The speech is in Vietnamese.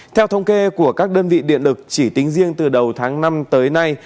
theo thông kê của các đơn vị điện lực chỉ tính riêng từ đầu tháng năm tới nay